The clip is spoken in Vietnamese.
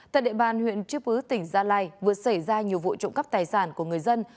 tại địa bàn huyện chư pứ tỉnh gia lai vừa xảy ra nhiều vụ trộm cắp tài sản của người dân